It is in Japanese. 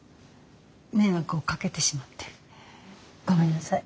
迷惑をかけてしまってごめんなさい。